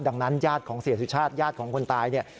ดังนั้นญาติของเสียชีวิตชาติญาติของคนตาย